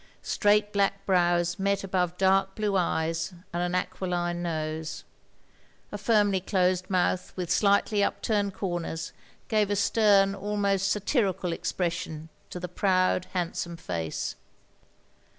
Straight black brows met above dark blue eyes and an aquiline nose ; a firmly closed mouth with slightly upturned comers gave a stem, almost 6 THE LONELY LADY satirical expression to the proud, handsome face.